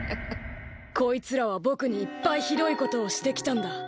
こいつらはぼくにいっぱいひどいことをしてきたんだ。